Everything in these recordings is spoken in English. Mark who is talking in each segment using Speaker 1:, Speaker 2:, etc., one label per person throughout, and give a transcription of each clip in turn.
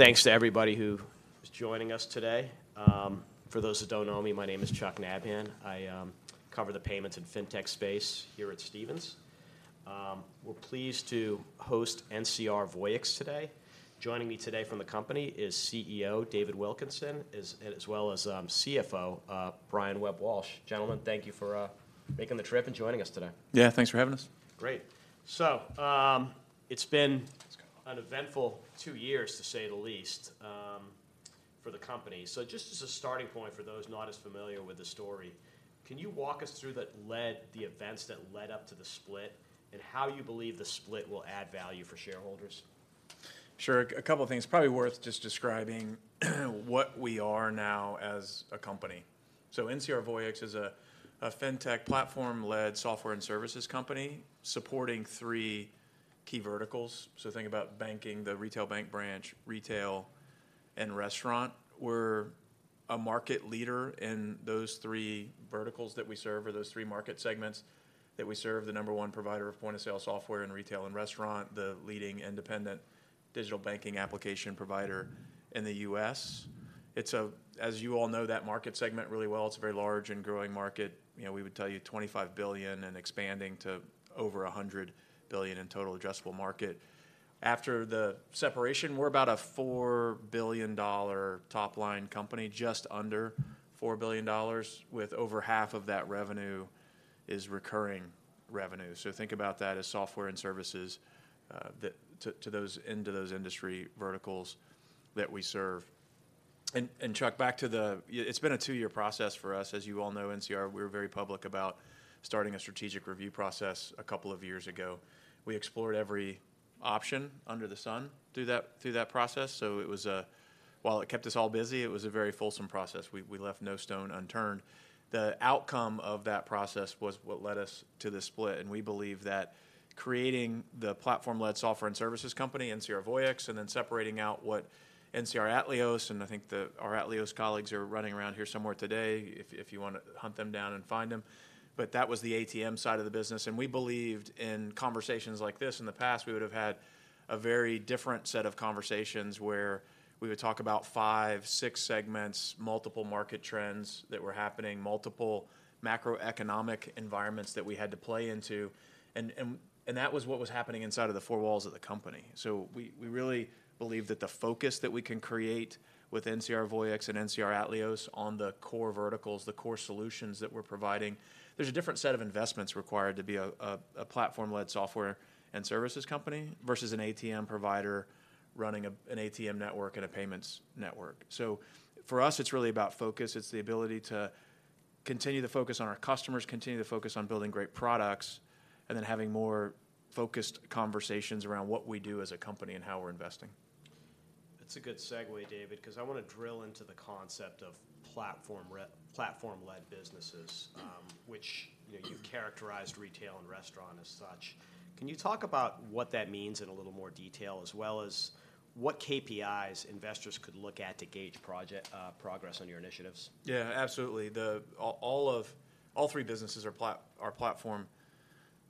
Speaker 1: Thanks to everybody who is joining us today. For those that don't know me, my name is Chuck Nabhan. I cover the payments and fintech space here at Stephens. We're pleased to host NCR Voyix today. Joining me today from the company is CEO David Wilkinson, as well as CFO Brian Webb-Walsh. Gentlemen, thank you for making the trip and joining us today.
Speaker 2: Yeah, thanks for having us.
Speaker 1: Great. So, it's been an eventful two years, to say the least, for the company. So just as a starting point for those not as familiar with the story, can you walk us through what led the events that led up to the split, and how you believe the split will add value for shareholders?
Speaker 2: Sure. A couple things. Probably worth just describing what we are now as a company. So NCR Voyix is a fintech platform-led software and services company supporting three key verticals. So think about banking, the retail bank branch, retail, and restaurant. We're a market leader in those three verticals that we serve, or those three market segments that we serve, the number one provider of point-of-sale software in retail and restaurant, the leading independent digital banking application provider in the U.S. It's a... As you all know that market segment really well, it's a very large and growing market. You know, we would tell you $25 billion and expanding to over $100 billion in total addressable market. After the separation, we're about a $4 billion top-line company, just under $4 billion, with over half of that revenue is recurring revenue. So think about that as software and services that to those into those industry verticals that we serve. And Chuck, back to your—it's been a two-year process for us. As you all know, NCR, we were very public about starting a strategic review process a couple of years ago. We explored every option under the sun through that process, so it was a while; it kept us all busy. It was a very fulsome process. We left no stone unturned. The outcome of that process was what led us to this split, and we believe that creating the platform-led software and services company, NCR Voyix, and then separating out NCR Atleos, and I think our Atleos colleagues are running around here somewhere today, if you wanna hunt them down and find them. But that was the ATM side of the business, and we believed in conversations like this. In the past, we would've had a very different set of conversations where we would talk about five, six segments, multiple market trends that were happening, multiple macroeconomic environments that we had to play into, and that was what was happening inside of the four walls of the company. So we really believe that the focus that we can create with NCR Voyix and NCR Atleos on the core verticals, the core solutions that we're providing. There's a different set of investments required to be a platform-led software and services company versus an ATM provider running an ATM network and a payments network. So for us, it's really about focus. It's the ability to continue to focus on our customers, continue to focus on building great products, and then having more focused conversations around what we do as a company and how we're investing.
Speaker 1: That's a good segue, David, 'cause I wanna drill into the concept of platform-led businesses, which, you know, you've characterized retail and restaurant as such. Can you talk about what that means in a little more detail, as well as what KPIs investors could look at to gauge progress on your initiatives?
Speaker 2: Yeah, absolutely. All three businesses are platform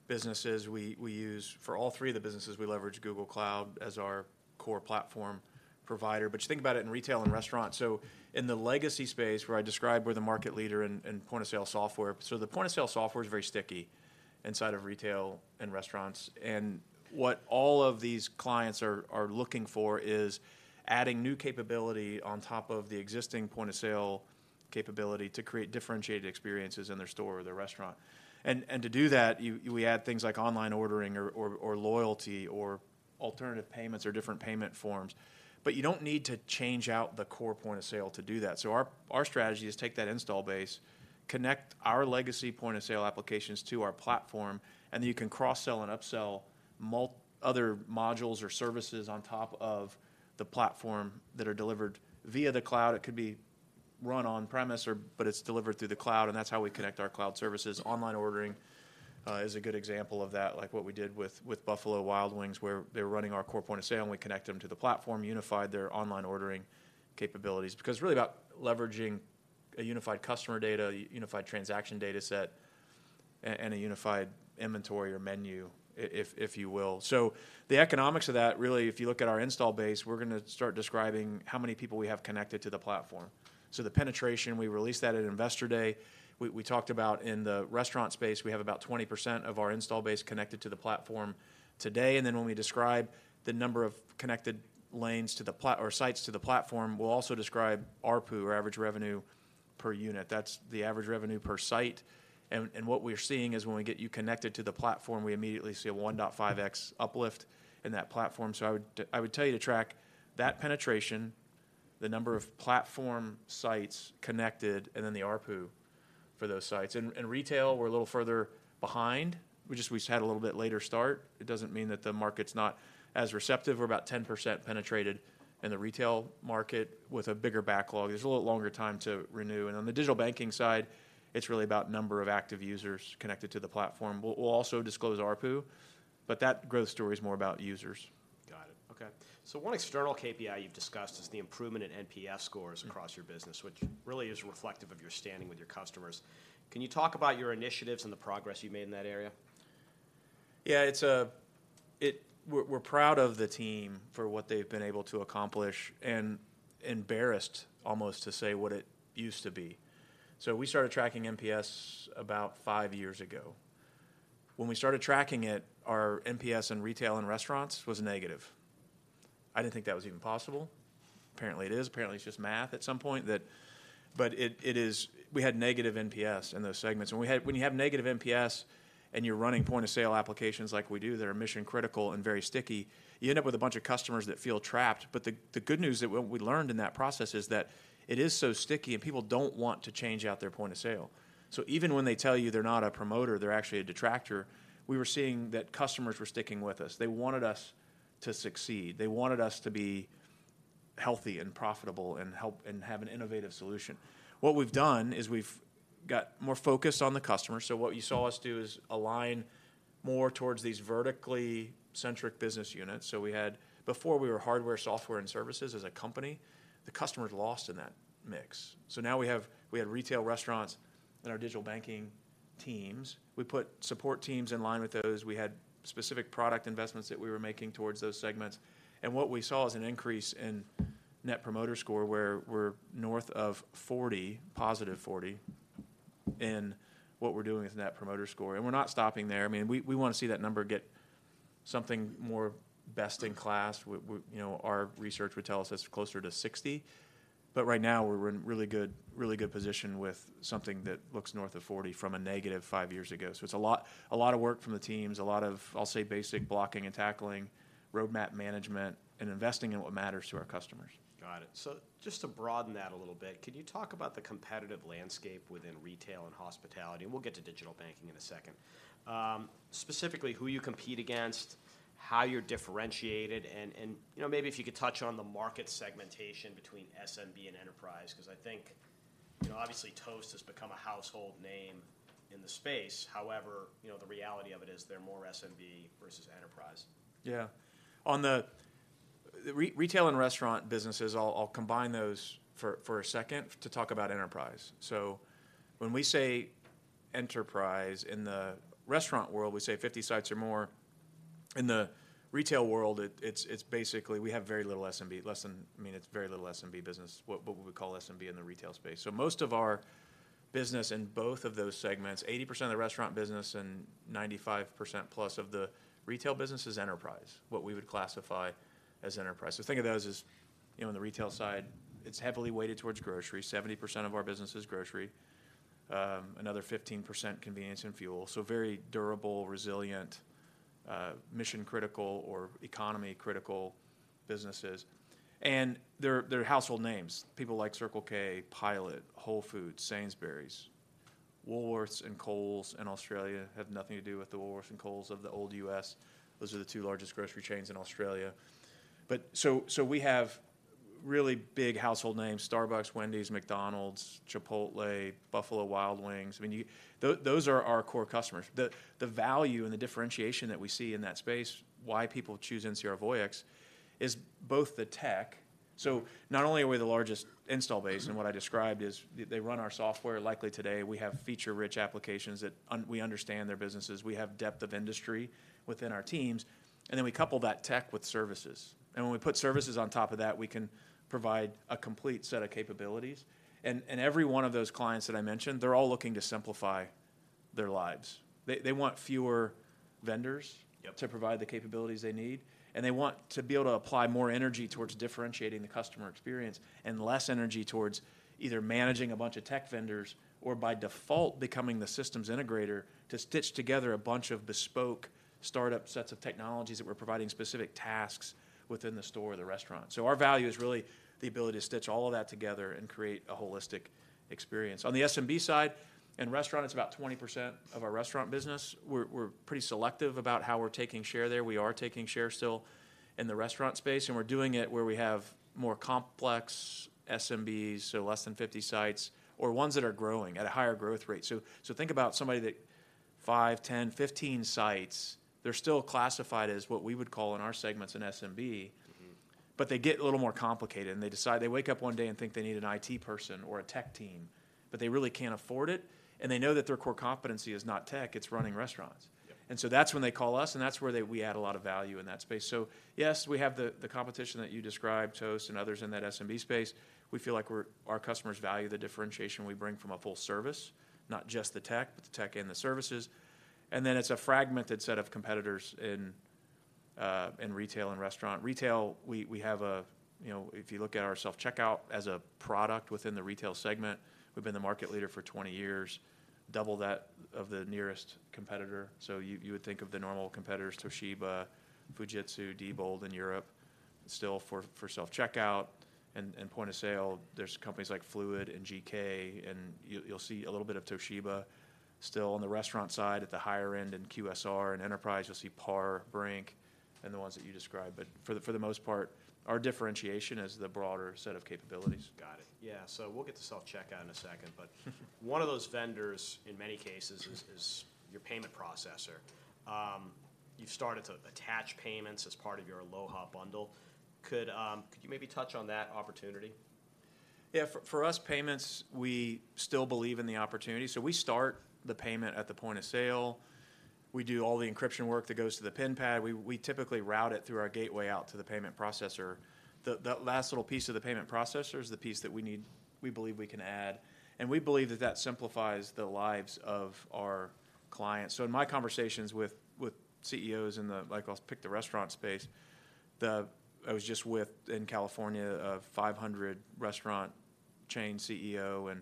Speaker 2: businesses. We leverage Google Cloud for all three of the businesses as our core platform provider. But you think about it in retail and restaurant, so in the legacy space, where I describe we're the market leader in point-of-sale software, so the point-of-sale software is very sticky inside of retail and restaurants. And to do that, we add things like online ordering or loyalty or alternative payments or different payment forms, but you don't need to change out the core point-of-sale to do that. So our strategy is take that install base, connect our legacy point-of-sale applications to our platform, and then you can cross-sell and upsell other modules or services on top of the platform that are delivered via the cloud. It could be run on-premise or, but it's delivered through the cloud, and that's how we connect our cloud services. Online ordering is a good example of that, like what we did with Buffalo Wild Wings, where they were running our core point of sale, and we connected them to the platform, unified their online ordering capabilities. Because really about leveraging a unified customer data, a unified transaction data set, and a unified inventory or menu if you will. So the economics of that, really, if you look at our install base, we're gonna start describing how many people we have connected to the platform. So the penetration, we released that at Investor Day. We talked about in the restaurant space, we have about 20% of our install base connected to the platform today, and then when we describe the number of connected lanes to the platform or sites to the platform, we'll also describe ARPU, or average revenue per unit. That's the average revenue per site. And what we're seeing is when we get you connected to the platform, we immediately see a 1.5x uplift in that platform. So I would tell you to track that penetration, the number of platform sites connected, and then the ARPU for those sites. In retail, we're a little further behind. We just had a little bit later start. It doesn't mean that the market's not as receptive. We're about 10% penetrated in the retail market with a bigger backlog. There's a little longer time to renew. And on the digital banking side, it's really about number of active users connected to the platform. We'll, we'll also disclose ARPU, but that growth story is more about users.
Speaker 1: Got it. Okay. So one external KPI you've discussed is the improvement in NPS scores across your business, which really is reflective of your standing with your customers. Can you talk about your initiatives and the progress you made in that area?
Speaker 2: Yeah, it's, we're proud of the team for what they've been able to accomplish, and embarrassed almost to say what it used to be. So we started tracking NPS about five years ago. When we started tracking it, our NPS in retail and restaurants was negative. I didn't think that was even possible. Apparently, it is. Apparently, it's just math at some point that. But we had negative NPS in those segments, and when you have negative NPS and you're running point-of-sale applications like we do, that are mission-critical and very sticky, you end up with a bunch of customers that feel trapped. But the good news that what we learned in that process is that it is so sticky, and people don't want to change out their point of sale. So even when they tell you they're not a promoter, they're actually a detractor, we were seeing that customers were sticking with us. They wanted us to succeed. They wanted us to be healthy and profitable and help- and have an innovative solution. What we've done is we've got more focused on the customer, so what you saw us do is align more towards these vertically centric business units. So we had... Before, we were hardware, software, and services as a company. The customer's lost in that mix. So now we have retail, restaurants, and our digital banking teams. We put support teams in line with those. We had specific product investments that we were making towards those segments, and what we saw is an increase in Net Promoter Score, where we're north of 40, positive 40, in what we're doing with Net Promoter Score, and we're not stopping there. I mean, we wanna see that number get something more best-in-class. You know, our research would tell us that's closer to 60, but right now we're in really good, really good position with something that looks north of 40 from a negative five years ago. So it's a lot, a lot of work from the teams, a lot of, I'll say, basic blocking and tackling, roadmap management, and investing in what matters to our customers.
Speaker 1: Got it. So just to broaden that a little bit, can you talk about the competitive landscape within retail and hospitality? And we'll get to digital banking in a second. Specifically, who you compete against, how you're differentiated, and, you know, maybe if you could touch on the market segmentation between SMB and enterprise, 'cause I think, you know, obviously Toast has become a household name in the space. However, you know, the reality of it is they're more SMB versus enterprise.
Speaker 2: Yeah. On the retail and restaurant businesses, I'll combine those for a second to talk about enterprise. So when we say enterprise in the restaurant world, we say 50 sites or more. In the retail world, it's basically we have very little SMB, less than... I mean, it's very little SMB business, what we would call SMB in the retail space. So most of our business in both of those segments, 80% of the restaurant business and 95%+ of the retail business is enterprise, what we would classify as enterprise. So think of those as, you know, on the retail side, it's heavily weighted towards grocery. 70% of our business is grocery, another 15% convenience and fuel, so very durable, resilient, mission-critical or economy-critical businesses, and they're household names, people like Circle K, Pilot, Whole Foods, Sainsbury's. Woolworths and Coles in Australia have nothing to do with the Woolworths and Coles of the old U.S. Those are the two largest grocery chains in Australia. But so, so we have really big household names: Starbucks, Wendy's, McDonald's, Chipotle, Buffalo Wild Wings. I mean, those are our core customers. The value and the differentiation that we see in that space, why people choose NCR Voyix, is both the tech. So not only are we the largest install base, and what I described is they run our software, likely today. We have feature-rich applications that we understand their businesses. We have depth of industry within our teams, and then we couple that tech with services, and when we put services on top of that, we can provide a complete set of capabilities. Every one of those clients that I mentioned, they're all looking to simplify their lives. They want fewer vendors-
Speaker 1: Yep
Speaker 2: To provide the capabilities they need, and they want to be able to apply more energy towards differentiating the customer experience and less energy towards either managing a bunch of tech vendors or, by default, becoming the systems integrator to stitch together a bunch of bespoke startup sets of technologies that we're providing specific tasks within the store or the restaurant. So our value is really the ability to stitch all of that together and create a holistic experience. On the SMB side, in-restaurant, it's about 20% of our restaurant business. We're, we're pretty selective about how we're taking share there. We are taking share still in the restaurant space, and we're doing it where we have more complex SMBs, so less than 50 sites, or ones that are growing at a higher growth rate. So, think about somebody that five, 10, 15 sites, they're still classified as what we would call in our segments an SMB.
Speaker 1: Mm-hmm.
Speaker 2: But they get a little more complicated, and they wake up one day and think they need an IT person or a tech team, but they really can't afford it, and they know that their core competency is not tech, it's running restaurants. And so that's when they call us, and that's where we add a lot of value in that space. So yes, we have the competition that you described, Toast and others in that SMB space. We feel like our customers value the differentiation we bring from a full service, not just the tech, but the tech and the services. And then it's a fragmented set of competitors in retail and restaurant. Retail, we have a... You know, if you look at our self-checkout as a product within the retail segment, we've been the market leader for 20 years, double that of the nearest competitor. So you would think of the normal competitors, Toshiba, Fujitsu, Diebold in Europe, still for self-checkout, and point-of-sale, there's companies like Flooid and GK, and you, you'll see a little bit of Toshiba still on the restaurant side at the higher end. In QSR and enterprise, you'll see PAR, Brink, and the ones that you described, but for the most part, our differentiation is the broader set of capabilities.
Speaker 1: Got it. Yeah, so we'll get to self-checkout in a second, but one of those vendors, in many cases, is your payment processor. You've started to attach payments as part of your Aloha bundle. Could you maybe touch on that opportunity?
Speaker 2: Yeah, for us payments, we still believe in the opportunity. So we start the payment at the point of sale. We do all the encryption work that goes to the pinpad. We typically route it through our gateway out to the payment processor. The last little piece of the payment processor is the piece that we need. We believe we can add, and we believe that that simplifies the lives of our clients. So in my conversations with CEOs in the, like I'll pick the restaurant space, I was just with, in California, a 500-restaurant chain CEO, and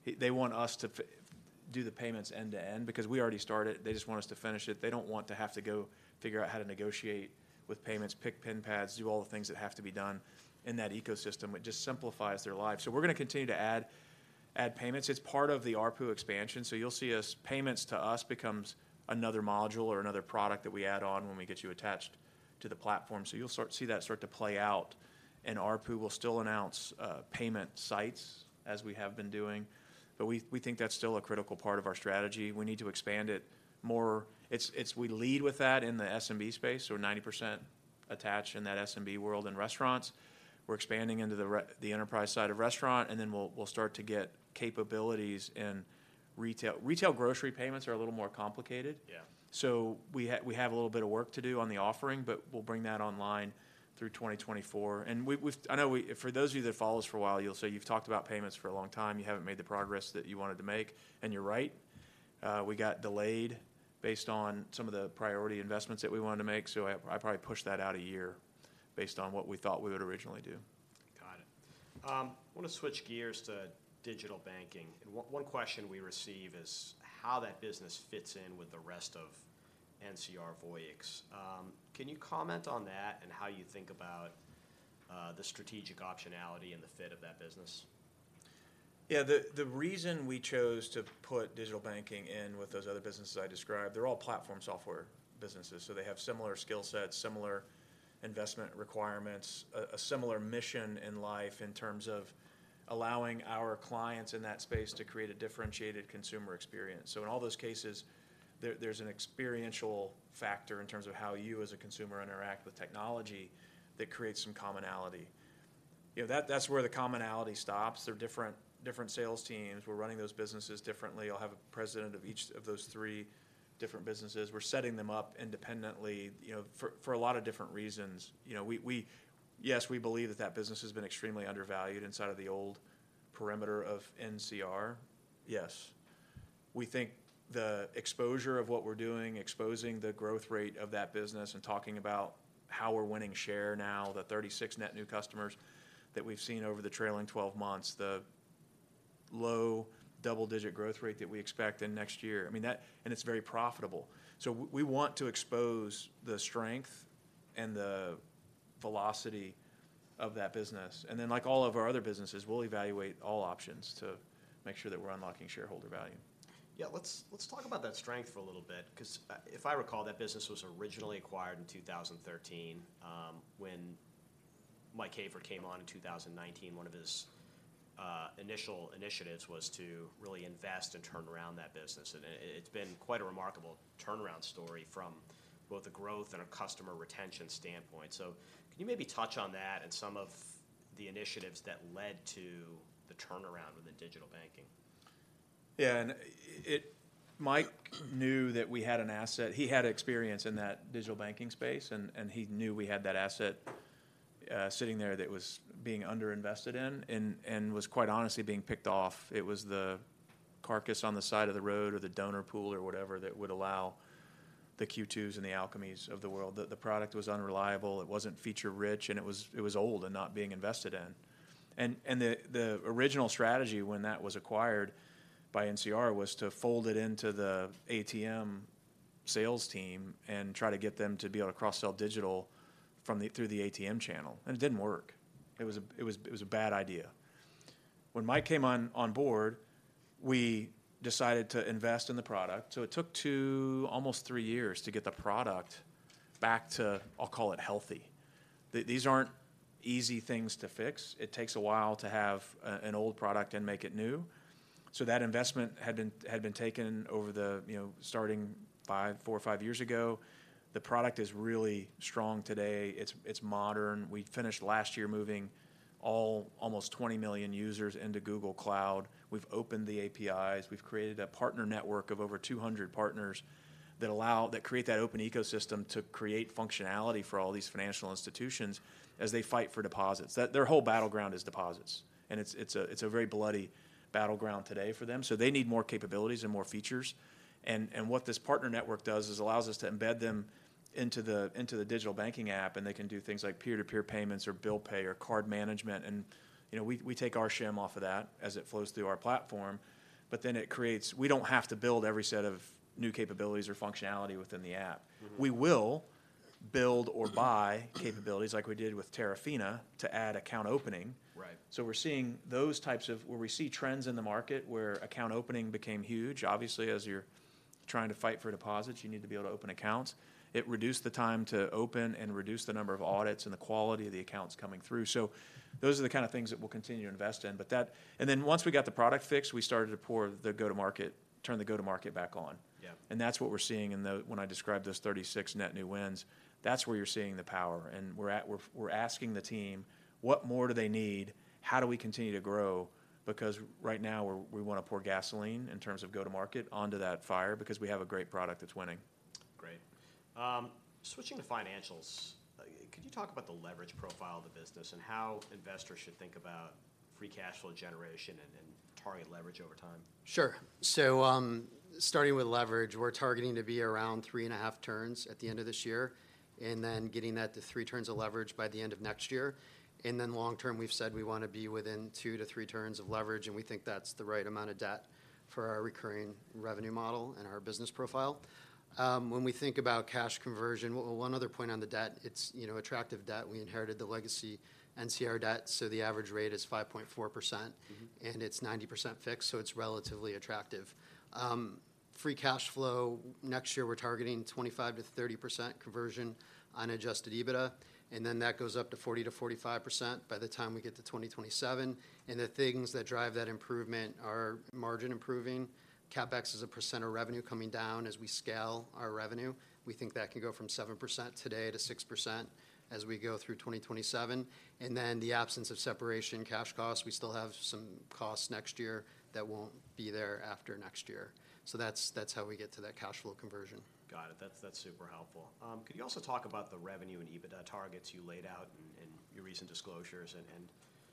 Speaker 2: he, they want us to do the payments end to end because we already started it. They just want us to finish it. They don't want to have to go figure out how to negotiate with payments, pick pinpads, do all the things that have to be done in that ecosystem. It just simplifies their lives. So we're gonna continue to add, add payments. It's part of the ARPU expansion, so you'll see as payments to us becomes another module or another product that we add on when we get you attached to the platform. So you'll see that start to play out, and ARPU will still announce payment sites as we have been doing, but we think that's still a critical part of our strategy. We need to expand it more. It's. We lead with that in the SMB space, so we're 90% attached in that SMB world in restaurants. We're expanding into the enterprise side of restaurant, and then we'll start to get capabilities in retail. Retail grocery payments are a little more complicated.
Speaker 1: Yeah.
Speaker 2: So we have a little bit of work to do on the offering, but we'll bring that online through 2024. And I know, for those of you that have followed us for a while, you'll say, "You've talked about payments for a long time. You haven't made the progress that you wanted to make," and you're right. We got delayed based on some of the priority investments that we wanted to make, so I probably pushed that out a year based on what we thought we would originally do.
Speaker 1: Got it. I wanna switch gears to digital banking. One question we receive is how that business fits in with the rest of NCR Voyix. Can you comment on that and how you think about the strategic optionality and the fit of that business?
Speaker 2: Yeah. The reason we chose to put digital banking in with those other businesses I described, they're all platform software businesses, so they have similar skill sets, similar investment requirements, a similar mission in life in terms of allowing our clients in that space to create a differentiated consumer experience. So in all those cases, there's an experiential factor in terms of how you, as a consumer, interact with technology that creates some commonality. You know, that's where the commonality stops. They're different sales teams. We're running those businesses differently. I'll have a president of each of those three different businesses. We're setting them up independently, you know, for a lot of different reasons. You know, we, yes, we believe that that business has been extremely undervalued inside of the old perimeter of NCR. Yes. We think the exposure of what we're doing, exposing the growth rate of that business and talking about how we're winning share now, the 36 net new customers that we've seen over the trailing twelve months, the low double-digit growth rate that we expect in next year, I mean, that... And it's very profitable. So we want to expose the strength and the velocity of that business, and then, like all of our other businesses, we'll evaluate all options to make sure that we're unlocking shareholder value.
Speaker 1: Yeah, let's, let's talk about that strength for a little bit, 'cause, if I recall, that business was originally acquired in 2013. When Mike Hayford came on in 2019, one of his initial initiatives was to really invest and turn around that business, and it's been quite a remarkable turnaround story from both a growth and a customer retention standpoint. So can you maybe touch on that and some of the initiatives that led to the turnaround with the digital banking?
Speaker 2: Yeah, and Mike knew that we had an asset. He had experience in that digital banking space, and, and he knew we had that asset sitting there that was being underinvested in and, and was quite honestly being picked off. It was the carcass on the side of the road or the donor pool or whatever that would allow the Q2s and the Alchemies of the world. The product was unreliable, it wasn't feature-rich, and it was, it was old and not being invested in. And the original strategy when that was acquired by NCR was to fold it into the ATM sales team and try to get them to be able to cross-sell digital through the ATM channel, and it didn't work. It was a bad idea. When Mike came on board, we decided to invest in the product, so it took two, almost three years to get the product back to, I'll call it, healthy. These aren't easy things to fix. It takes a while to have an old product and make it new. So that investment had been taken over the, you know, starting five, four or five years ago. The product is really strong today. It's modern. We finished last year moving all almost 20,000,000 users into Google Cloud. We've opened the APIs. We've created a partner network of over 200 partners that allow—that create that open ecosystem to create functionality for all these financial institutions as they fight for deposits. Their whole battleground is deposits, and it's a very bloody battleground today for them, so they need more capabilities and more features. And what this partner network does is allows us to embed them into the digital banking app, and they can do things like peer-to-peer payments or bill pay or card management. And, you know, we take our shim off of that as it flows through our platform, but then it creates... We don't have to build every set of new capabilities or functionality within the app. We will build or buy capabilities, like we did with Terafina, to add account opening.
Speaker 1: Right.
Speaker 2: So we're seeing those types of... where we see trends in the market where account opening became huge. Obviously, as you're trying to fight for deposits, you need to be able to open accounts. It reduced the time to open and reduced the number of audits and the quality of the accounts coming through. So those are the kind of things that we'll continue to invest in. But that and then once we got the product fixed, we started to pour the go-to-market, turn the go-to-market back on.
Speaker 1: Yeah.
Speaker 2: That's what we're seeing in the... When I described those 36 net new wins, that's where you're seeing the power, and we're asking the team, "What more do they need? How do we continue to grow?" Because right now, we wanna pour gasoline, in terms of go-to-market, onto that fire because we have a great product that's winning.
Speaker 1: Great. Switching to financials, could you talk about the leverage profile of the business, and how investors should think about free cash flow generation and, and target leverage over time?
Speaker 3: Sure. So, starting with leverage, we're targeting to be around 3.5 turns at the end of this year, and then getting that to three turns of leverage by the end of next year. And then long term, we've said we wanna be within two to three turns of leverage, and we think that's the right amount of debt for our recurring revenue model and our business profile. When we think about cash conversion, well, one other point on the debt, it's, you know, attractive debt. We inherited the legacy NCR debt, so the average rate is 5.4%. It's 90% fixed, so it's relatively attractive. Free cash flow, next year we're targeting 25%-30% conversion on adjusted EBITDA, and then that goes up to 40%-45% by the time we get to 2027. And the things that drive that improvement are margin improving, CapEx as a percent of revenue coming down as we scale our revenue. We think that can go from 7% today to 6% as we go through 2027. And then the absence of separation cash costs, we still have some costs next year that won't be there after next year. So that's, that's how we get to that cash flow conversion.
Speaker 1: Got it. That's, that's super helpful. Could you also talk about the revenue and EBITDA targets you laid out in, in your recent disclosures, and, and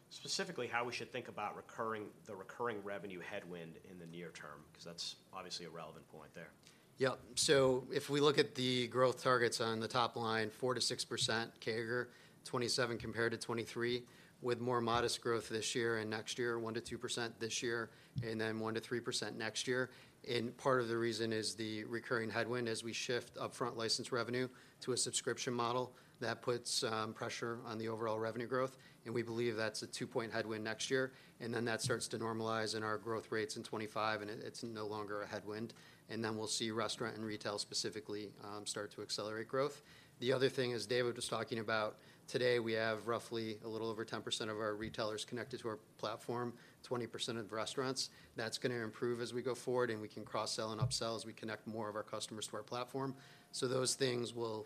Speaker 1: specifically, how we should think about recurring-- the recurring revenue headwind in the near term? 'Cause that's obviously a relevant point there.
Speaker 3: Yep. So if we look at the growth targets on the top line, 4%-6% CAGR, 2027 compared to 2023, with more modest growth this year and next year, 1%-2% this year, and then 1%-3% next year. Part of the reason is the recurring headwind as we shift upfront licensed revenue to a subscription model. That puts pressure on the overall revenue growth, and we believe that's a 2-point headwind next year, and then that starts to normalize in our growth rates in 2025, and it's no longer a headwind. Then we'll see restaurant and retail specifically start to accelerate growth. The other thing, as David was talking about, today we have roughly a little over 10% of our retailers connected to our platform, 20% of restaurants. That's gonna improve as we go forward, and we can cross-sell and upsell as we connect more of our customers to our platform. So those things will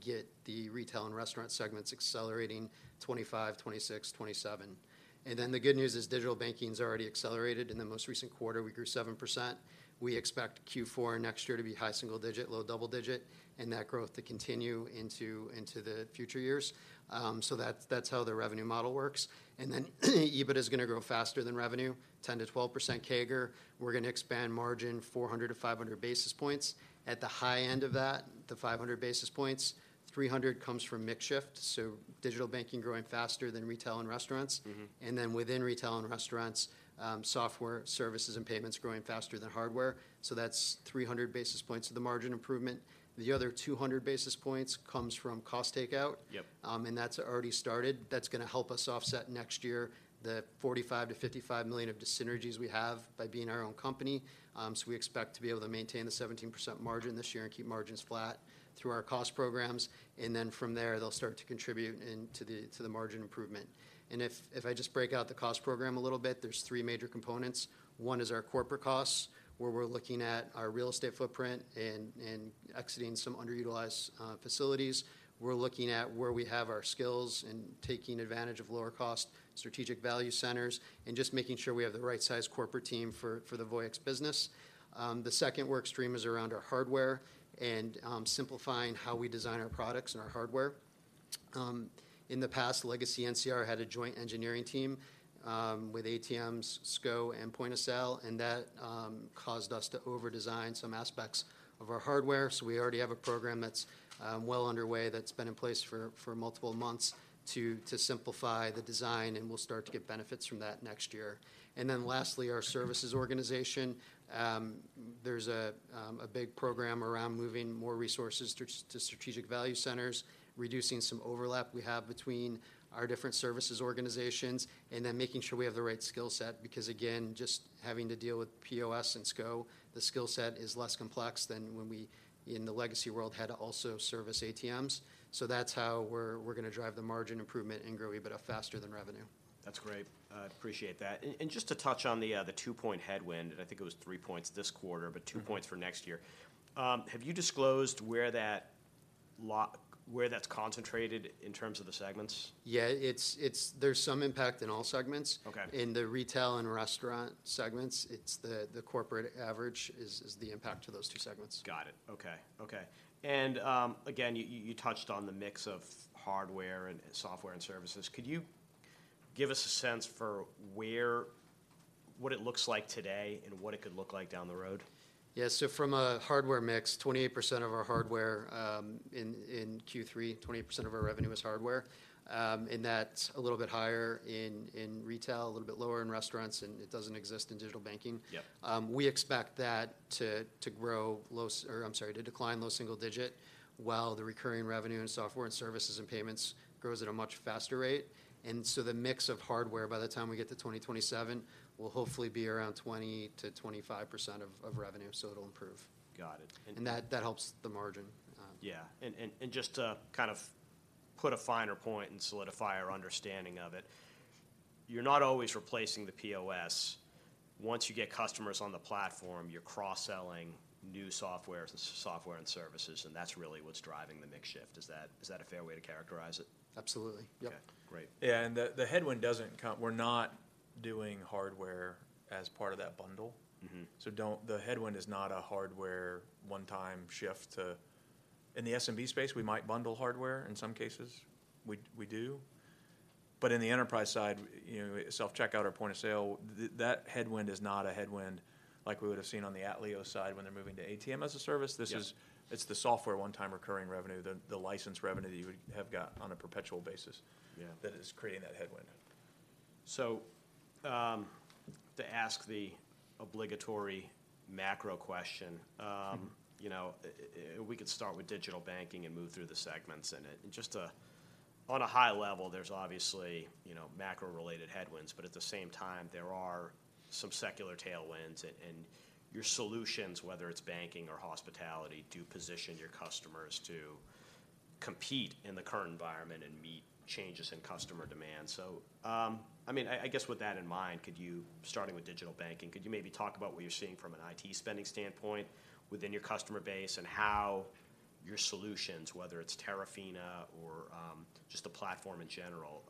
Speaker 3: get the retail and restaurant segments accelerating 25, 26, 27. And then the good news is digital banking's already accelerated. In the most recent quarter, we grew 7%. We expect Q4 next year to be high single digit, low double digit, and that growth to continue into the future years. So that's how the revenue model works. And then, EBITDA is gonna grow faster than revenue, 10%-12% CAGR. We're gonna expand margin 400-500 basis points. At the high end of that, the 500 basis points, 300 comes from mix shift, so digital banking growing faster than retail and restaurants.
Speaker 1: Mm-hmm.
Speaker 3: And then within retail and restaurants, software services and payments growing faster than hardware, so that's 300 basis points of the margin improvement. The other 200 basis points comes from cost takeout.
Speaker 1: Yep.
Speaker 3: And that's already started. That's gonna help us offset next year the $45 million-$55 million of dis-synergies we have by being our own company. So we expect to be able to maintain the 17% margin this year and keep margins flat through our cost programs, and then from there, they'll start to contribute into the, to the margin improvement. And if, if I just break out the cost program a little bit, there's three major components. One is our corporate costs, where we're looking at our real estate footprint and, and exiting some underutilized facilities. We're looking at where we have our skills and taking advantage of lower-cost strategic value centers, and just making sure we have the right-sized corporate team for, for the Voyix business. The second work stream is around our hardware and simplifying how we design our products and our hardware. In the past, legacy NCR had a joint engineering team with ATMs, SCO, and point-of-sale, and that caused us to over-design some aspects of our hardware. So we already have a program that's well underway, that's been in place for multiple months to simplify the design, and we'll start to get benefits from that next year. And then lastly, our services organization. There's a big program around moving more resources to strategic value centers, reducing some overlap we have between our different services organizations, and then making sure we have the right skill set, because again, just having to deal with POS and SCO, the skill set is less complex than when we, in the legacy world, had to also service ATMs. So that's how we're gonna drive the margin improvement and grow EBITDA faster than revenue.
Speaker 1: That's great. Appreciate that. And just to touch on the two -point headwind, and I think it was three points this quarter but two points for next year. Have you disclosed where that's concentrated in terms of the segments?
Speaker 3: Yeah, it's—there's some impact in all segments.
Speaker 1: Okay.
Speaker 3: In the retail and restaurant segments, it's the corporate average is the impact to those two segments.
Speaker 1: Got it. Okay, okay. And, again, you touched on the mix of hardware and software and services. Could you give us a sense for where... what it looks like today and what it could look like down the road?
Speaker 3: Yeah, so from a hardware mix, 28% of our hardware in Q3, 28% of our revenue is hardware. And that's a little bit higher in retail, a little bit lower in restaurants, and it doesn't exist in digital banking.
Speaker 1: Yep.
Speaker 3: We expect that to decline low single digit, while the recurring revenue in software and services and payments grows at a much faster rate. So the mix of hardware, by the time we get to 2027, will hopefully be around 20%-25% of revenue, so it'll improve.
Speaker 1: Got it.
Speaker 3: That helps the margin,
Speaker 1: Yeah. And just to kind of put a finer point and solidify our understanding of it, you're not always replacing the POS. Once you get customers on the platform, you're cross-selling new softwares and software and services, and that's really what's driving mix shift. Is that a fair way to characterize it?
Speaker 2: Absolutely. Yep.
Speaker 1: Okay, great.
Speaker 2: Yeah, and the headwind doesn't come. We're not doing hardware as part of that bundle.
Speaker 1: Mm-hmm.
Speaker 2: So don't—the headwind is not a hardware one-time shift to... In the SMB space, we might bundle hardware in some cases. We, we do. But in the enterprise side, you know, self-checkout or point-of-sale, that headwind is not a headwind like we would've seen on the Atleos side when they're moving to ATM as a service.
Speaker 1: Yeah.
Speaker 2: This is... It's the software one-time recurring revenue, the license revenue that you would have got on a perpetual basis-
Speaker 1: Yeah
Speaker 2: That is creating that headwind.
Speaker 1: So, to ask the obligatory macro question you know, we could start with digital banking and move through the segments in it. And just, on a high level, there's obviously, you know, macro-related headwinds, but at the same time, there are some secular tailwinds. And your solutions, whether it's banking or hospitality, do position your customers to compete in the current environment and meet changes in customer demand. So, I mean, I guess with that in mind, could you, starting with digital banking, could you maybe talk about what you're seeing from an IT spending standpoint within your customer base, and how your solutions, whether it's Terafina or, just the platform in general,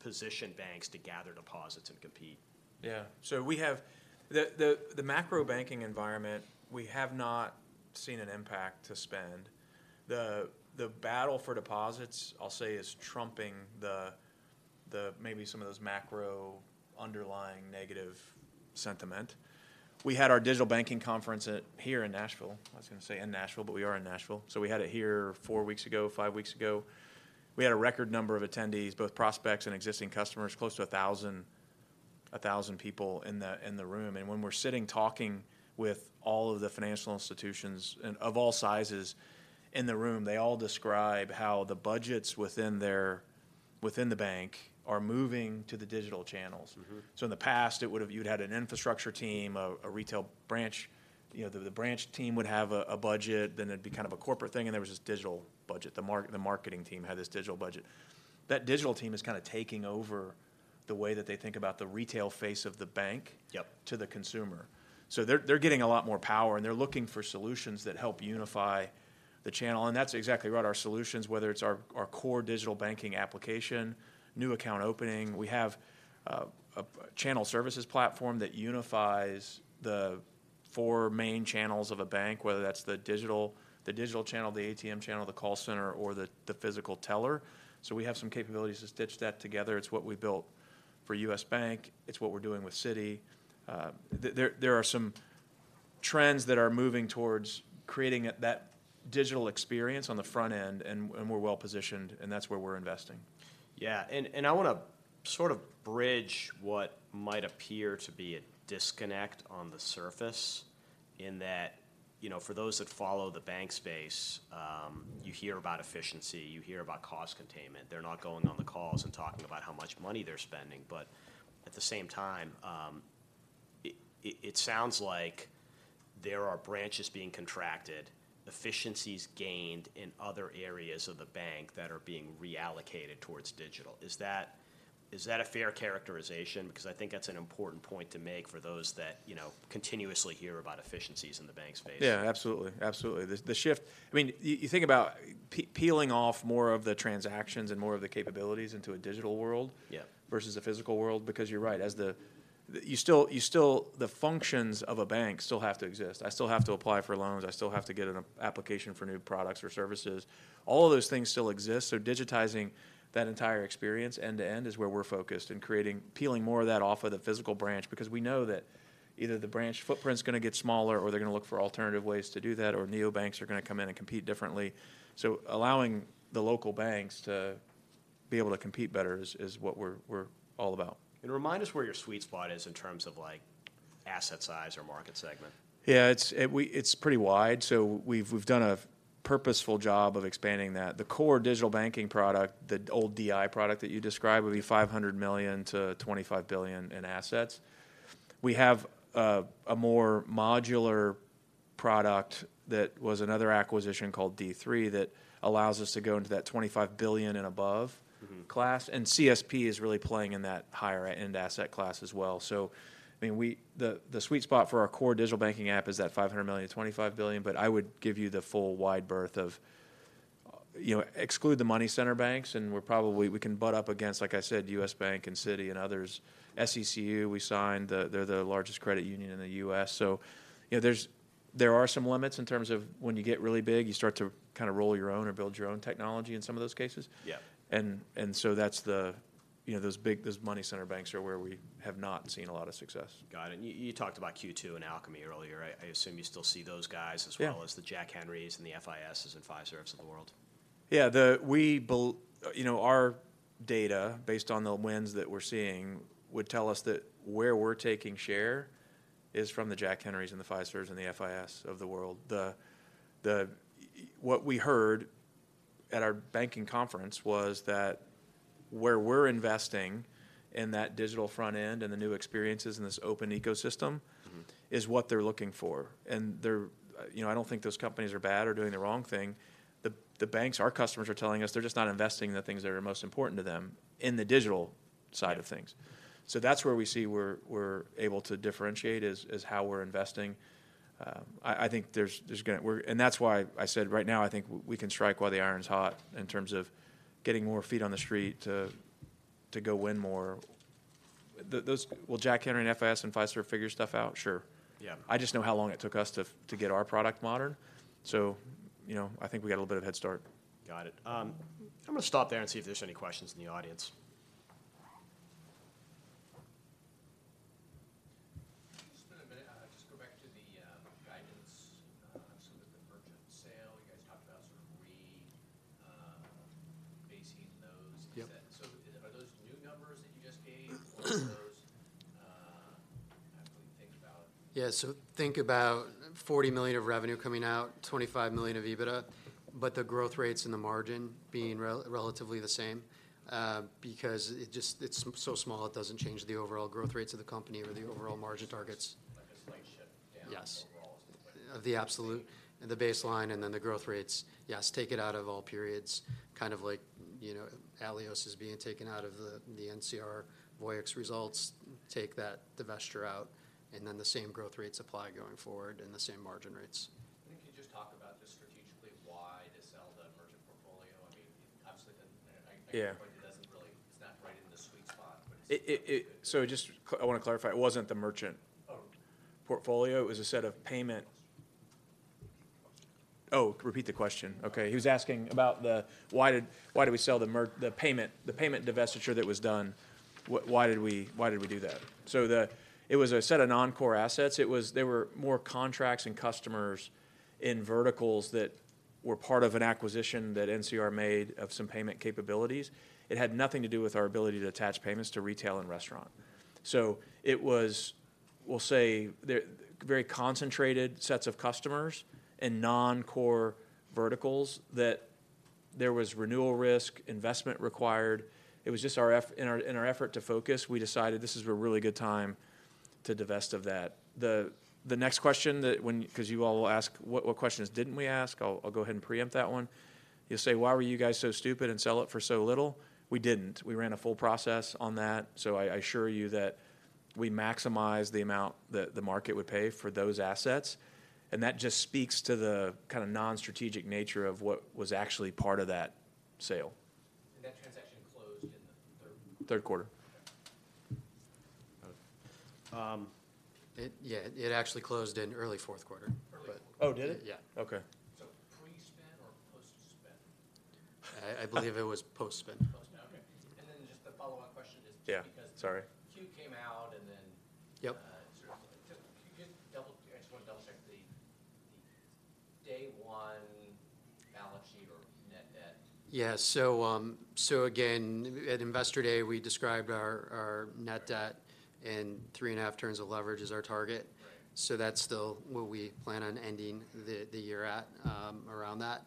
Speaker 1: position banks to gather deposits and compete?
Speaker 2: Yeah. So we have the macro banking environment, we have not seen an impact to spend. The battle for deposits, I'll say, is trumping the maybe some of those macro underlying negative sentiment. We had our digital banking conference here in Nashville. I was gonna say in Nashville, but we are in Nashville. So we had it here four weeks ago, five weeks ago. We had a record number of attendees, both prospects and existing customers, close to 1,000 people in the room. And when we're sitting talking with all of the financial institutions of all sizes in the room, they all describe how the budgets within their bank are moving to the digital channels.
Speaker 1: Mm-hmm.
Speaker 2: So in the past, it would've... You'd had an infrastructure team, a retail branch. You know, the branch team would have a budget, then there'd be kind of a corporate thing, and there was this digital budget. The marketing team had this digital budget. That digital team is kinda taking over the way that they think about the retail face of the bank-
Speaker 1: Yep
Speaker 2: To the consumer. So they're getting a lot more power, and they're looking for solutions that help unify the channel, and that's exactly what our solutions, whether it's our core digital banking application, new account opening. We have a channel services platform that unifies the four main channels of a bank, whether that's the digital channel, the ATM channel, the call center, or the physical teller. So we have some capabilities to stitch that together. It's what we built for U.S. Bank. It's what we're doing with Citi. There are some trends that are moving towards creating that digital experience on the front end, and we're well positioned, and that's where we're investing.
Speaker 1: Yeah. And I wanna sort of bridge what might appear to be a disconnect on the surface in that, you know, for those that follow the bank space, you hear about efficiency, you hear about cost containment. They're not going on the calls and talking about how much money they're spending. But at the same time, it sounds like there are branches being contracted, efficiencies gained in other areas of the bank that are being reallocated towards digital. Is that a fair characterization? Because I think that's an important point to make for those that, you know, continuously hear about efficiencies in the bank space.
Speaker 2: Yeah, absolutely. Absolutely. The shift... I mean, you think about peeling off more of the transactions and more of the capabilities into a digital world-
Speaker 1: Yeah
Speaker 2: Versus a physical world, because you're right, you still, the functions of a bank still have to exist. I still have to apply for loans. I still have to get an application for new products or services. All of those things still exist, so digitizing that entire experience end to end is where we're focused, and creating, peeling more of that off of the physical branch, because we know that either the branch footprint's gonna get smaller, or they're gonna look for alternative ways to do that, or neobanks are gonna come in and compete differently. So allowing the local banks to be able to compete better is what we're all about.
Speaker 1: Remind us where your sweet spot is in terms of, like, asset size or market segment?
Speaker 2: Yeah, it's pretty wide. So we've done a purposeful job of expanding that. The core digital banking product, the old DI product that you described, would be $500 million-$25 billion in assets. We have a more modular product that was another acquisition called D3, that allows us to go into that $25 billion and above-
Speaker 1: Mm-hmm
Speaker 2: Class, and CSP is really playing in that higher-end asset class as well. So, I mean, we, the sweet spot for our core digital banking app is that $500 million-$25 billion, but I would give you the full wide berth of, you know... Exclude the money center banks, and we're probably we can butt up against, like I said, U.S. Bank and Citi and others. SECU, we signed. They're the largest credit union in the U.S. So, you know, there are some limits in terms of when you get really big, you start to kinda roll your own or build your own technology in some of those cases.
Speaker 1: Yeah.
Speaker 2: And so that's, you know, those big money center banks are where we have not seen a lot of success.
Speaker 1: Got it. And you, you talked about Q2 and Alchemy earlier, right? I assume you still see those guys as well-
Speaker 2: Yeah
Speaker 1: As the Jack Henrys and the FISs and Fiservs of the world.
Speaker 2: Yeah, you know, our data, based on the wins that we're seeing, would tell us that where we're taking share is from the Jack Henrys and the Fiservs and the FIS of the world. What we heard at our banking conference was that where we're investing in that digital front end and the new experiences in this open ecosystem.
Speaker 1: Mm-hmm
Speaker 2: Is what they're looking for. And they're, you know, I don't think those companies are bad or doing the wrong thing. The banks, our customers, are telling us they're just not investing in the things that are most important to them in the digital side of things. So that's where we see we're able to differentiate, is how we're investing. I think there's gonna be. And that's why I said right now, I think we can strike while the iron is hot, in terms of getting more feet on the street to go win more. Will Jack Henry, and FIS, and Fiserv figure stuff out? Sure.
Speaker 3: Yeah.
Speaker 2: I just know how long it took us to get our product modern. So, you know, I think we got a little bit of head start.
Speaker 3: Got it. I'm gonna stop there and see if there's any questions in the audience.
Speaker 4: Just spend a minute, just go back to the guidance, so with the merchant sale, you guys talked about sort of re-basing those-
Speaker 2: Yep
Speaker 4: So are those new numbers that you just gave? Or are those, have to think about?
Speaker 3: Yeah, so think about $40 million of revenue coming out, $25 million of EBITDA, but the growth rates and the margin being relatively the same. Because it just, it's so small, it doesn't change the overall growth rates of the company or the overall margin targets. Yes. Of the absolute, the baseline, and then the growth rates. Yes, take it out of all periods, kind of like, you know, Atleos is being taken out of the, the NCR Voyix results. Take that divestiture out, and then the same growth rates apply going forward and the same margin rates.
Speaker 4: Can you just talk about just strategically why to sell the merchant portfolio? I mean, obviously the-
Speaker 2: Yeah
Speaker 4: It doesn't really, it's not right in the sweet spot, but it's-
Speaker 2: So, I wanna clarify, it wasn't the merchant portfolio, it was a set of payment. Oh, repeat the question. Okay. He was asking about the, why did we sell the payment divestiture that was done, why did we do that? So it was a set of non-core assets. It was, they were more contracts and customers in verticals that were part of an acquisition that NCR made of some payment capabilities. It had nothing to do with our ability to attach payments to retail and restaurant. So it was, we'll say, they're very concentrated sets of customers and non-core verticals, that there was renewal risk, investment required. It was just our effort to focus, we decided this is a really good time to divest of that. The next question that when... 'Cause you all will ask what questions didn't we ask? I'll go ahead and preempt that one. You'll say: "Why were you guys so stupid and sell it for so little?" We didn't. We ran a full process on that, so I assure you that we maximized the amount that the market would pay for those assets. And that just speaks to the kind of non-strategic nature of what was actually part of that sale.
Speaker 4: That transaction closed in the third?
Speaker 2: Third quarter.
Speaker 4: Okay.
Speaker 2: Um-
Speaker 3: Yeah, it actually closed in early fourth quarter.
Speaker 4: Early fourth.
Speaker 2: Oh, did it?
Speaker 3: Yeah.
Speaker 2: Okay.
Speaker 4: So pre-spin or post-spin?
Speaker 3: I believe it was post-spin.
Speaker 4: Post-spin, okay. And then just a follow-up question just-
Speaker 2: Yeah, sorry
Speaker 4: Q came out, and then-
Speaker 3: Yep
Speaker 4: I just wanna double-check the day one balance sheet or net debt?
Speaker 3: Yeah. So again, at Investor Day, we described our net debt and 3.5 turns of leverage as our target.
Speaker 4: Right.
Speaker 3: So that's still what we plan on ending the, the year at, around that.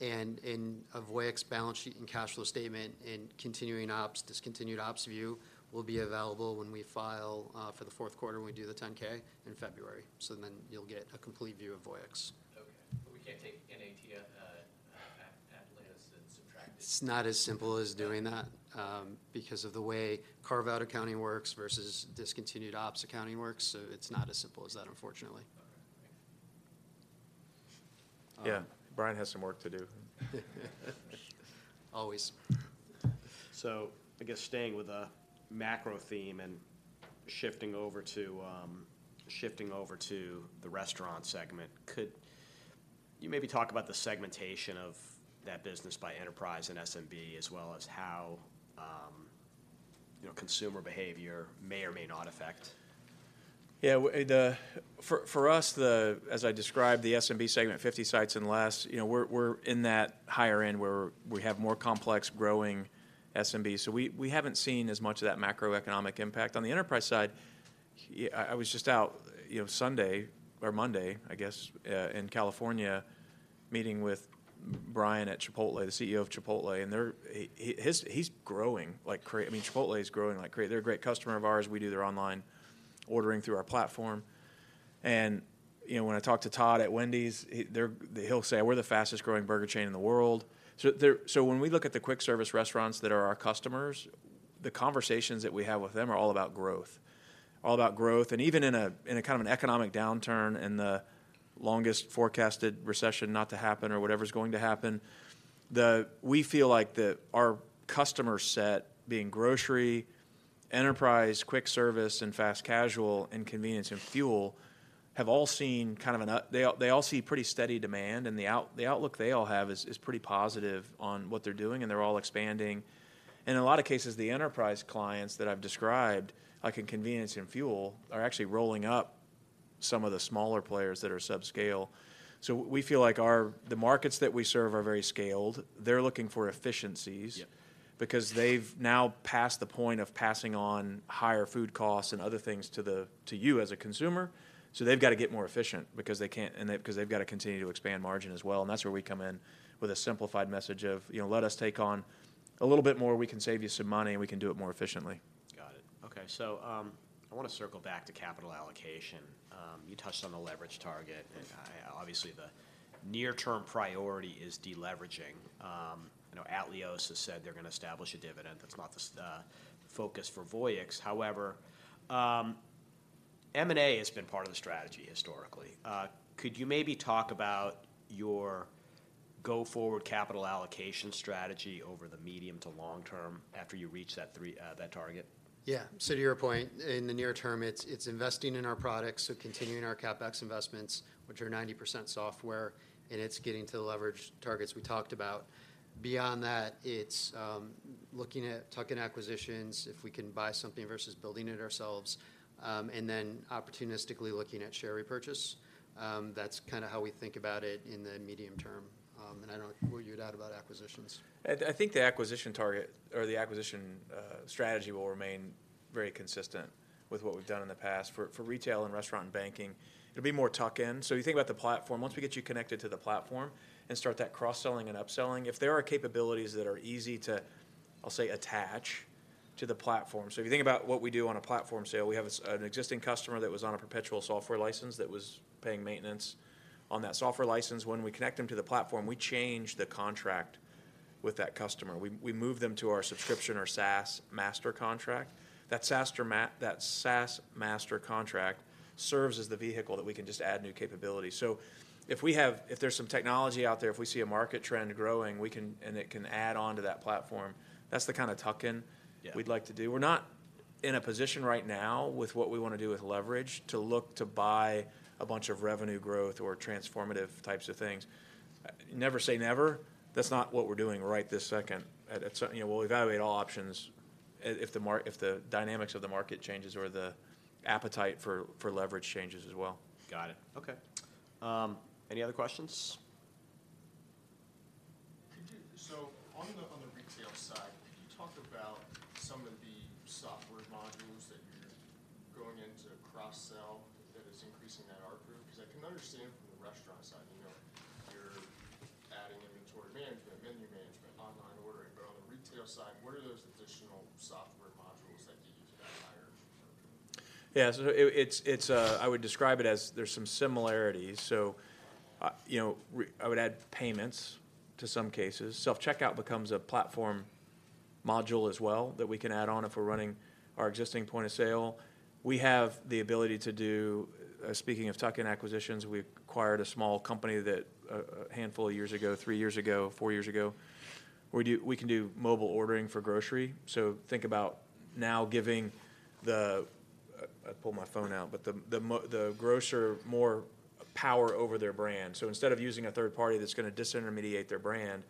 Speaker 3: And in a Voyix balance sheet and cash flow statement, and continuing ops, discontinued ops view, will be available when we file for the fourth quarter, when we do the 10-K in February. So then you'll get a complete view of Voyix.
Speaker 4: Okay, but we can't take NCR Atleos and subtract it?
Speaker 3: It's not as simple as doing that, because of the way carve-out accounting works versus discontinued ops accounting works. So it's not as simple as that, unfortunately.
Speaker 2: Yeah, Brian has some work to do.
Speaker 3: Always. So I guess staying with the macro theme and shifting over to, shifting over to the restaurant segment, could you maybe talk about the segmentation of that business by enterprise and SMB, as well as how, you know, consumer behavior may or may not affect?
Speaker 2: Yeah, for us, as I described, the SMB segment, 50 sites and less, you know, we're in that higher end, where we have more complex growing SMB. So we haven't seen as much of that macroeconomic impact. On the enterprise side, I was just out, you know, Sunday or Monday, I guess, in California, meeting with Brian at Chipotle, the CEO of Chipotle, and they're... He's growing like crazy. I mean, Chipotle is growing like crazy. They're a great customer of ours. We do their online ordering through our platform. You know, when I talked to Todd at Wendy's, he'll say, "We're the fastest-growing burger chain in the world." So, when we look at the quick service restaurants that are our customers, the conversations that we have with them are all about growth. All about growth, and even in a kind of economic downturn, in the longest forecasted recession not to happen, or whatever's going to happen, we feel like our customer set, being grocery, enterprise, quick service, and fast casual, and convenience, and fuel, have all seen kind of—they all see pretty steady demand, and the outlook they all have is pretty positive on what they're doing, and they're all expanding. In a lot of cases, the enterprise clients that I've described, like in convenience and fuel, are actually rolling up some of the smaller players that are subscale. So we feel like our, the markets that we serve are very scaled. They're looking for efficiencies because they've now passed the point of passing on higher food costs and other things to you as a consumer. So they've got to get more efficient because they can't 'cause they've got to continue to expand margin as well, and that's where we come in with a simplified message of: "You know, let us take on a little bit more. We can save you some money, and we can do it more efficiently.
Speaker 1: Got it. Okay, so, I wanna circle back to capital allocation. You touched on the leverage target, and, obviously, the near-term priority is deleveraging. Atleos has said they're gonna establish a dividend. That's not the focus for Voyix. However, M&A has been part of the strategy historically. Could you maybe talk about your go-forward capital allocation strategy over the medium to long term after you reach that three, that target?
Speaker 3: Yeah. So to your point, in the near term, it's investing in our products, so continuing our CapEx investments, which are 90% software, and it's getting to the leverage targets we talked about. Beyond that, it's looking at tuck-in acquisitions, if we can buy something versus building it ourselves, and then opportunistically looking at share repurchase. That's kind of how we think about it in the medium term. And I don't know what you'd add about acquisitions.
Speaker 2: I think the acquisition target or the acquisition strategy will remain very consistent with what we've done in the past. For retail and restaurant and banking, it'll be more tuck-in. So you think about the platform, once we get you connected to the platform and start that cross-selling and upselling, if there are capabilities that are easy to, I'll say, attach to the platform. So if you think about what we do on a platform sale, we have an existing customer that was on a perpetual software license, that was paying maintenance on that software license. When we connect them to the platform, we change the contract with that customer. We move them to our subscription, our SaaS master contract. That SaaS master contract serves as the vehicle that we can just add new capabilities. So if there's some technology out there, if we see a market trend growing, we can... and it can add on to that platform, that's the kind of tuck-in-
Speaker 3: Yeah
Speaker 2: We'd like to do. We're not in a position right now with what we wanna do with leverage, to look to buy a bunch of revenue growth or transformative types of things. Never say never. That's not what we're doing right this second. At NCR, you know, we'll evaluate all options, if the dynamics of the market changes or the appetite for leverage changes as well.
Speaker 1: Got it. Okay. Any other questions?
Speaker 4: So on the retail side, could you talk about some of the software modules that you're going in to cross-sell that is increasing that ARPU? Because I can understand from the restaurant side, you know, you're adding inventory management, menu management, online ordering. But on the retail side, what are those additional software modules that you use to add higher ARPU?
Speaker 2: Yeah, so it is. I would describe it as there's some similarities. So, you know, I would add payments to some cases. Self-checkout becomes a platform module as well, that we can add on if we're running our existing point-of-sale. We have the ability to do, speaking of tuck-in acquisitions, we acquired a small company that, a handful of years ago, three years ago, four years ago. We do, we can do mobile ordering for grocery, so think about now giving the... I'd pull my phone out, but the grocer more power over their brand. So instead of using a third party that's gonna disintermediate their brand,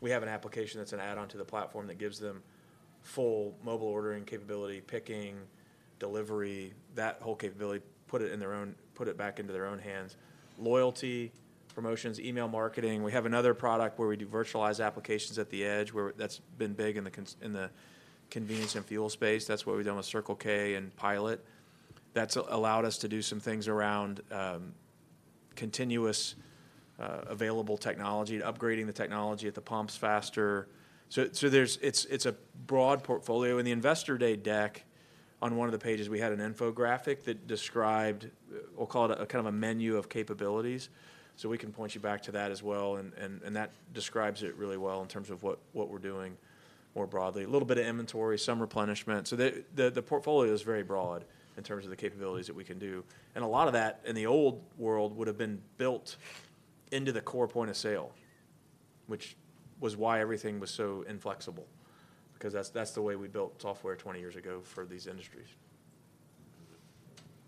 Speaker 2: we have an application that's an add-on to the platform that gives them full mobile ordering capability, picking, delivery, that whole capability, put it in their own- put it back into their own hands. Loyalty, promotions, email marketing. We have another product where we do virtualized applications at the edge, where... That's been big in the convenience and fuel space. That's what we've done with Circle K and Pilot. That's allowed us to do some things around, continuous, available technology, upgrading the technology at the pumps faster. So there's, it's a broad portfolio. In the Investor Day deck, on one of the pages, we had an infographic that described, we'll call it a kind of a menu of capabilities, so we can point you back to that as well, and that describes it really well in terms of what we're doing more broadly. A little bit of inventory, some replenishment. So the portfolio is very broad in terms of the capabilities that we can do, and a lot of that, in the old world, would've been built into the core point-of-sale, which was why everything was so inflexible, because that's the way we built software 20 years ago for these industries.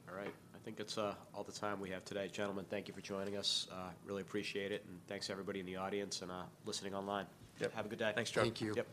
Speaker 1: All right. I think that's all the time we have today. Gentlemen, thank you for joining us, really appreciate it, and thanks to everybody in the audience and listening online.
Speaker 2: Yep.
Speaker 1: Have a good day.
Speaker 2: Thanks, Chuck.
Speaker 3: Thank you.
Speaker 1: Yep.